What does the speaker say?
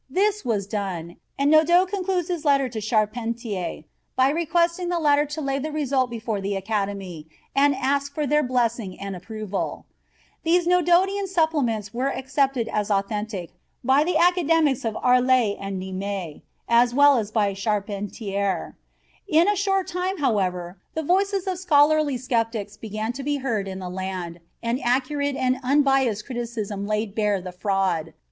This was done, and Nodot concludes his letter to Charpentier by requesting the latter to lay the result before the Academy and ask for their blessing and approval. These Nodotian Supplements were accepted as authentic by the Academics of Arles and Nimes, as well as by Charpentier. In a short time, however, the voices of scholarly skeptics began to be heard in the land, and accurate and unbiased criticism laid bare the fraud.